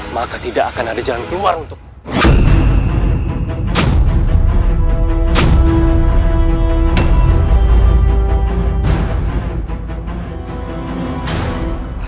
maka tidak akan ada jalan keluar untuk